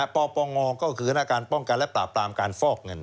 ปปงก็คือคณะการป้องกันและปราบปรามการฟอกเงิน